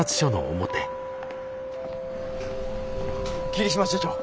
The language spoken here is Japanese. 桐島署長。